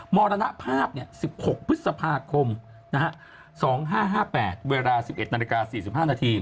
มรณภาพ๑๖พฤษภาคม๒๕๕๘เวลา๑๑นาฬิกา๔๕นาที